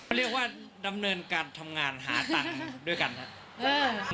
เรียกว่าดำเนินการทำงานหาตังค์ด้วยกันครับ